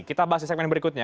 kita bahas di segmen berikutnya